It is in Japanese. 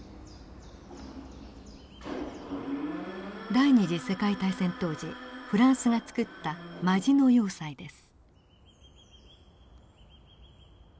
第二次世界大戦当時フランスが造ったマジノ要塞です。